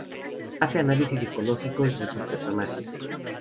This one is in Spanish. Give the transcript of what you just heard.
Hace análisis psicológicos de sus personajes.